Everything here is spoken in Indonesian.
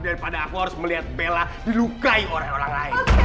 daripada aku harus melihat bella dilukai oleh orang lain